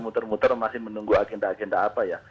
muter muter masih menunggu agenda agenda apa ya